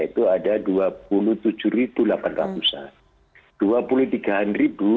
pesantren indonesia itu ada dua puluh tujuh delapan ratus an